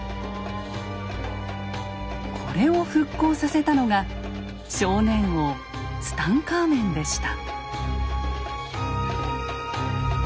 これを復興させたのが少年王ツタンカーメンでした。